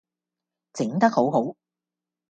整得好好